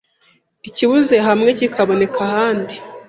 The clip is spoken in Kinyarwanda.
ikibuze hamwe kikaboneka ahandi,